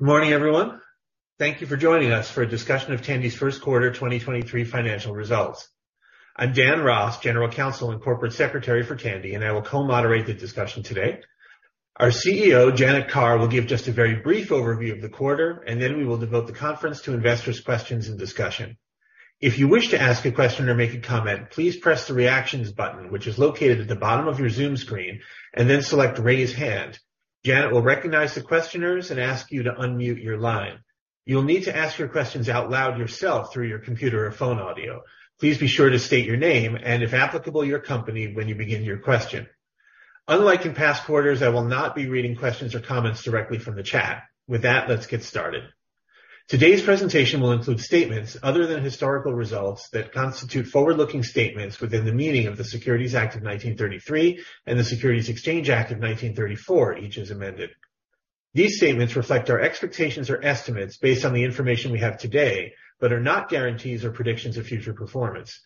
Good morning, everyone. Thank you for joining us for a discussion of Tandy's first quarter 2023 financial results. I'm Dan Ross, General Counsel and Corporate Secretary for Tandy. I will co-moderate the discussion today. Our CEO, Janet Carr, will give just a very brief overview of the quarter. Then we will devote the conference to investors' questions and discussion. If you wish to ask a question or make a comment, please press the Reactions button, which is located at the bottom of your Zoom screen. Then select Raise Hand. Janet will recognize the questioners. Ask you to unmute your line. You'll need to ask your questions out loud yourself through your computer or phone audio. Please be sure to state your name and, if applicable, your company when you begin your question. Unlike in past quarters, I will not be reading questions or comments directly from the chat. With that, let's get started. Today's presentation will include statements other than historical results that constitute forward-looking statements within the meaning of the Securities Act of 1933 and the Securities Exchange Act of 1934, each as amended. These statements reflect our expectations or estimates based on the information we have today, but are not guarantees or predictions of future performance.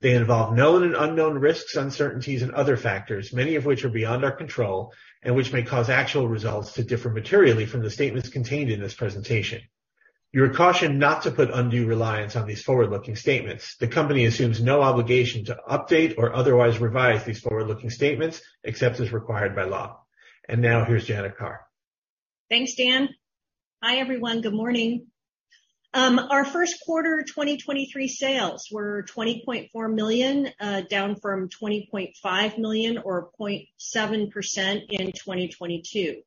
They involve known and unknown risks, uncertainties and other factors, many of which are beyond our control and which may cause actual results to differ materially from the statements contained in this presentation. You are cautioned not to put undue reliance on these forward-looking statements. The company assumes no obligation to update or otherwise revise these forward-looking statements except as required by law. Now, here's Janet Carr. Thanks, Dan. Hi, everyone. Good morning. Our first quarter 2023 sales were $20.4 million, down from $20.5 million or 0.7% in 2022.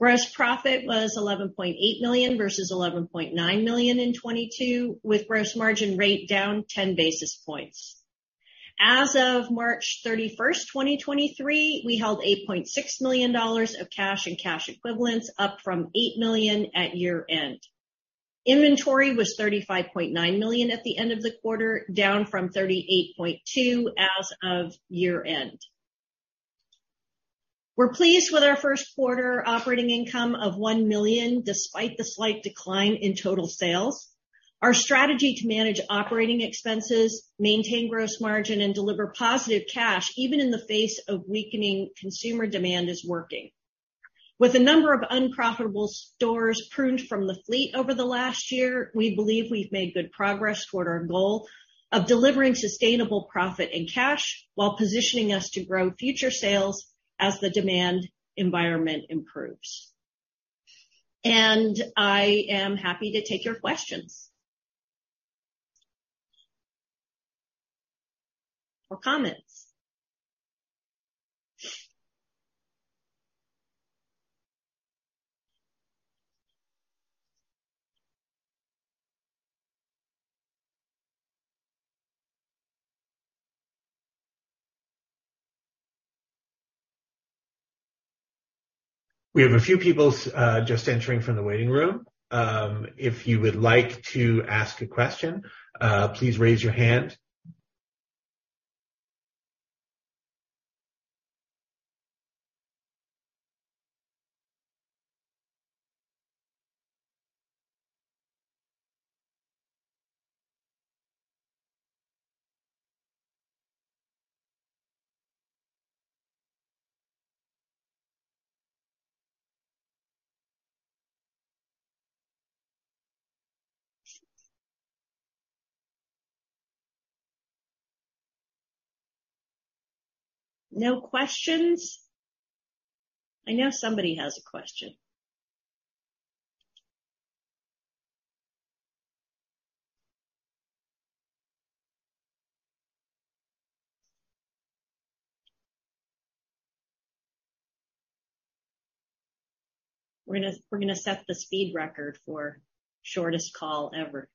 Gross profit was $11.8 million versus $11.9 million in 2022, with gross margin rate down 10 basis points. As of March 31st, 2023, we held $8.6 million of cash and cash equivalents, up from $8 million at year-end. Inventory was $35.9 million at the end of the quarter, down from $38.2 million as of year-end. We're pleased with our first quarter operating income of $1 million, despite the slight decline in total sales. Our strategy to manage operating expenses, maintain gross margin, and deliver positive cash even in the face of weakening consumer demand is working. With a number of unprofitable stores pruned from the fleet over the last year, we believe we've made good progress toward our goal of delivering sustainable profit and cash while positioning us to grow future sales as the demand environment improves. I am happy to take your questions or comments. We have a few people, just entering from the waiting room. If you would like to ask a question, please raise your hand. No questions? I know somebody has a question. We're gonna set the speed record for shortest call ever.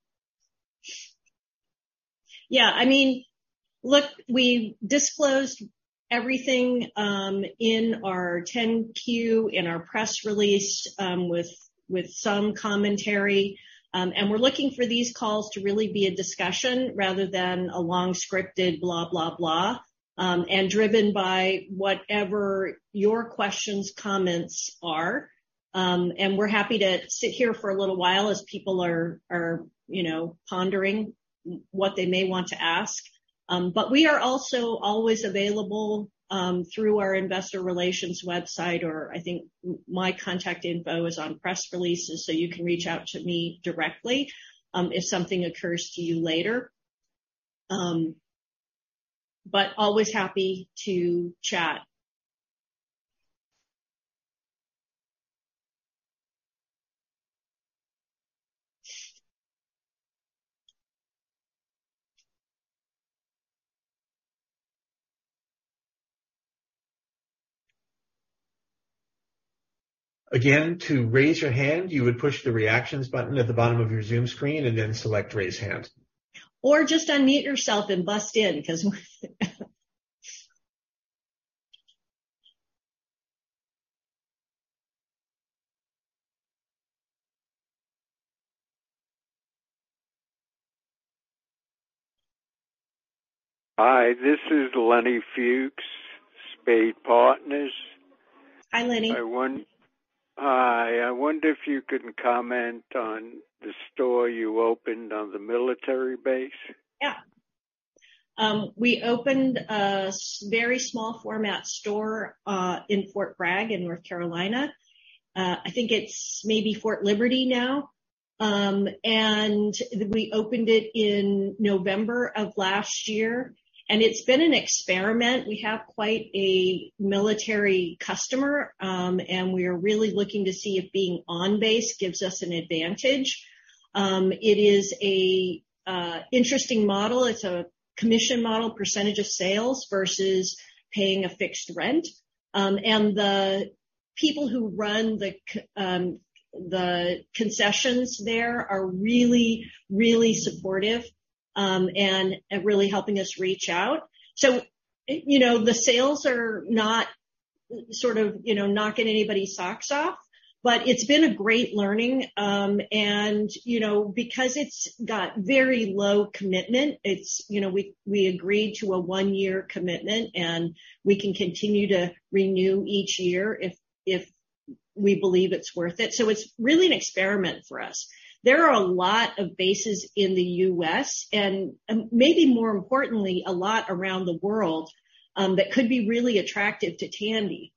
Yeah, I mean, look, we disclosed everything in our 10-Q, in our press release, with some commentary. We're looking for these calls to really be a discussion rather than a long scripted blah, blah, driven by whatever your questions, comments are. We're happy to sit here for a little while as people are, you know, pondering what they may want to ask. We are also always available through our investor relations website, or I think my contact info is on press releases, so you can reach out to me directly if something occurs to you later. Always happy to chat. Again, to raise your hand, you would push the Reactions button at the bottom of your Zoom screen and then select Raise Hand. just unmute yourself and bust in 'cause. Hi, this is Lenny Fuchs, Spade Partners. Hi, Lenny. hi, I wonder if you can comment on the store you opened on the military base? Yeah. We opened a very small format store in Fort Bragg in North Carolina. I think it's maybe Fort Liberty now. We opened it in November of last year, and it's been an experiment. We have quite a military customer, and we are really looking to see if being on base gives us an advantage. It is a interesting model. It's a commission model, percentage of sales versus paying a fixed rent. The people who run the concessions there are really supportive, and really helping us reach out. You know, the sales are not sort of, you know, knocking anybody's socks off, but it's been a great learning. You know, because it's got very low commitment, you know, we agreed to a one-year commitment, and we can continue to renew each year if we believe it's worth it. It's really an experiment for us. There are a lot of bases in the U.S., maybe more importantly, a lot around the world, that could be really attractive to Tandy.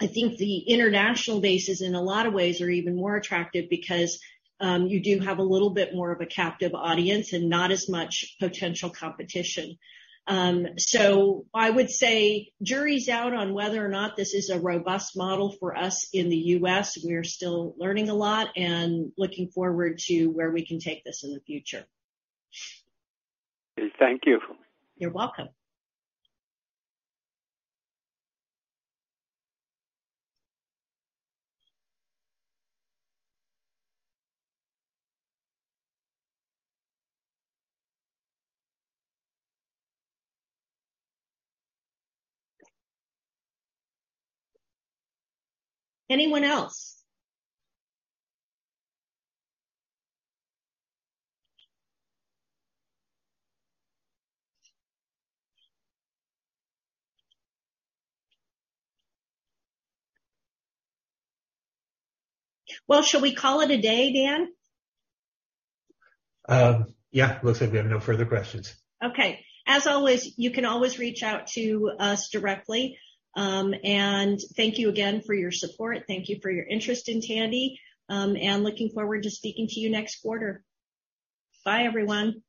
I think the international bases in a lot of ways are even more attractive because you do have a little bit more of a captive audience and not as much potential competition. I would say jury's out on whether or not this is a robust model for us in the U.S. We are still learning a lot and looking forward to where we can take this in the future. Thank you. You're welcome. Anyone else? Shall we call it a day, Dan? Yeah. Looks like we have no further questions. Okay. As always, you can always reach out to us directly. Thank you again for your support. Thank you for your interest in Tandy. Looking forward to speaking to you next quarter. Bye, everyone.